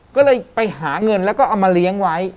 ก็เลยไปหาเงินแล้วก็เอามาเลี้ยงไว้